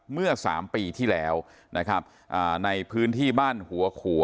เมื่อ๓ปีที่แล้วนะครับในพื้นที่บ้านหัวขัว